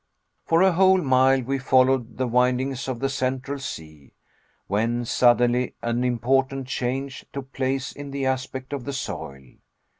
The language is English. For a whole mile we followed the windings of the Central Sea, when suddenly an important change took place in the aspect of the soil.